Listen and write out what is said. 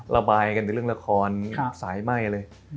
ระบายกันในเรื่องละครสายไหม้เลย